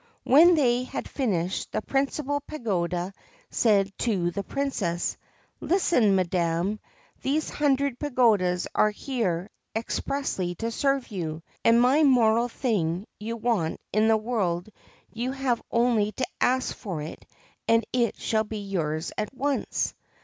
When they had finished, the principal pagoda said to the Princess :' Listen, madam, these hundred pagodas are here expressly to serve you, and any mortal thing you want in the world you have only to ask for it and it shall be yours at once.'